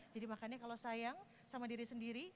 jadi makanya kalau sayang sama diri sendiri